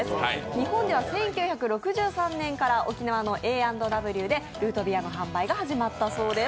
日本では１９６３年から沖縄のＡ＆Ｗでルートビアの販売が始まったそうです。